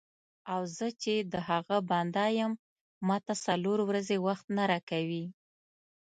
او زه چې د هغه بنده یم ماته څلور ورځې وخت نه راکوې.